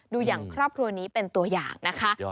ดูอย่างครอบครัวนี้เป็นตัวอย่างนะคะ